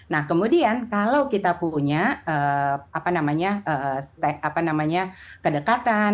nah kemudian kalau kita punya kedekatan